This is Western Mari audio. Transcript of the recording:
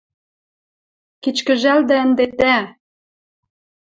Кичкӹжӓлдӓ ӹнде тӓ!